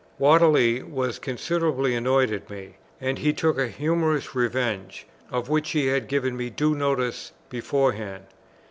Whately was considerably annoyed at me, and he took a humourous revenge, of which he had given me due notice beforehand.